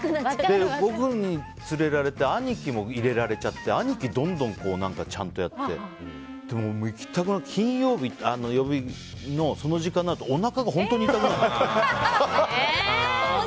僕に連れられて兄貴も連れていかれてやって兄貴はどんどんやって行きたくなくて金曜日のその時間になるとおなかが本当に痛くなるの。